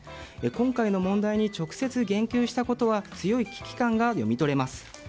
今回の問題に直接言及したことは強い危機感が読み取れます。